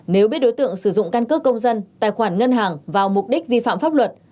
nếu biết đối tượng sử dụng căn cước công dân tài khoản ngân hàng vào mục đích vi phạm pháp luật